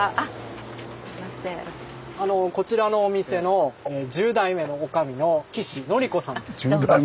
こちらのお店の１０代目のおかみの岸範子さんです。